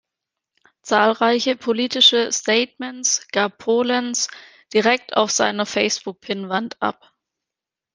Zahlreiche politische Statements gab Polenz direkt auf seiner Facebook-Pinnwand ab.